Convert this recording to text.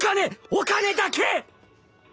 お金だけ！